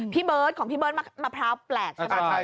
ปีเบิรดของที่เบิร์ดมะพร้าวแปลกใช่มั้ย